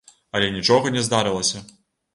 Але нічога не здарылася.